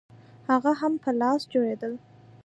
هغه هم په لاس جوړېدل